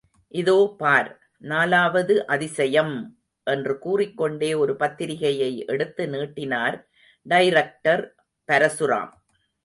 இதோ பார், நாலாவது அதிசயம்! என்று கூறிக்கொண்டே ஒரு பத்திரிக்கையை எடுத்து நீட்டினார் டைரக்டர் பரசுராம்.